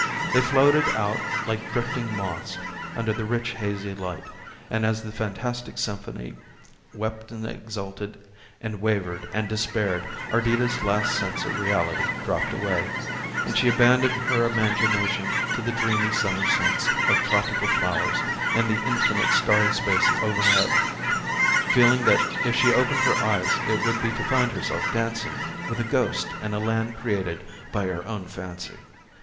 They floated out like drifting moths under the rich hazy light, and as the fantastic symphony wept and exulted and wavered and despaired Ardita's last sense of reality dropped away, and she abandoned her imagination to the dreamy summer scents of tropical flowers and the infinite starry spaces overhead, feeling that if she opened her eyes it would be to find herself dancing with a ghost in a land created by her own fancy.